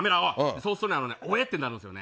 そうするとおえってなるんですよね。